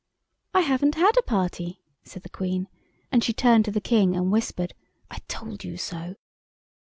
"I haven't had a party," said the Queen, and she turned to the King and whispered, "I told you so."